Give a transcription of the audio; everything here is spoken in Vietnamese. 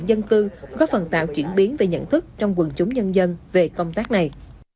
dân cư góp phần tạo chuyển biến về nhận thức trong quần chúng nhân dân về công tác này